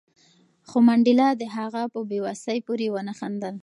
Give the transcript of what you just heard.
خو منډېلا د هغه په بې وسۍ پورې ونه خندل.